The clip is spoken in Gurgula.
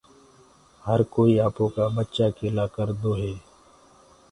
هر ڪوئي اپوڪآ بچآ ڪي لآ ڪردو هي۔